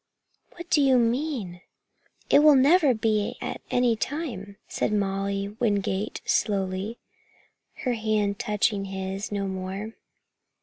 "What do you mean? It will never be at any time!" said Molly Wingate slowly, her hand touching his no more.